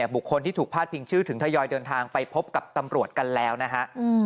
บุคคลที่ถูกพาดพิงชื่อถึงทยอยเดินทางไปพบกับตำรวจกันแล้วนะฮะ